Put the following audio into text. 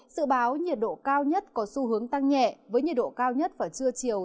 sự báo nhiệt độ cao nhất có xu hướng tăng nhẹ với nhiệt độ cao nhất vào trưa chiều